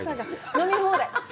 飲み放題。